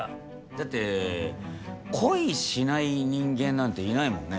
だって恋しない人間なんていないもんね。